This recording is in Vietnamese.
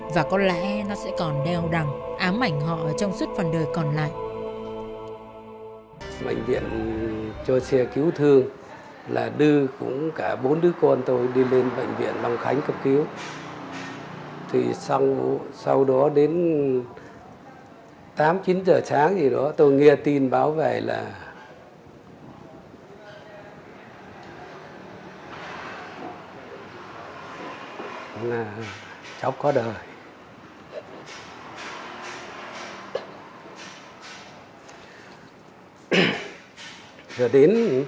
và có lẽ nó sẽ còn đeo đằng ám ảnh họ trong suốt phần đời còn lại